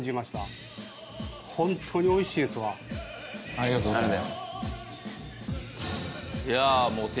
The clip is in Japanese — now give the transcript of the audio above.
ありがとうございます。